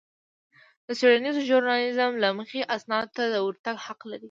د څېړنيز ژورنالېزم له مخې اسنادو ته د ورتګ حق لرئ.